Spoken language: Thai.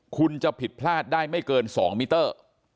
คุณจะผิดพลาดได้ไม่เกิน๒มิเตอร์